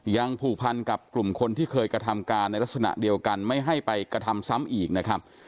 ผูกพันกับกลุ่มคนที่เคยกระทำการในลักษณะเดียวกันไม่ให้ไปกระทำซ้ำอีกนะครับ